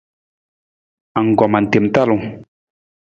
Anggoma tem talung.